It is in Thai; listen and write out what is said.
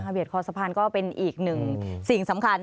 เบียดคอสะพานก็เป็นอีกหนึ่งสิ่งสำคัญ